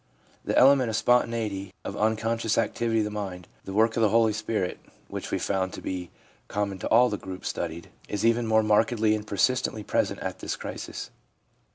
The element of spontaneity, of unconscious activity of the mind — the i work of the Holy Spirit' — which we found to be common to all the groups studied, is even more markedly and persistently present at this crisis.